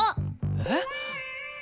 えっ？